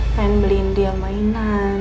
pengen beliin dia mainan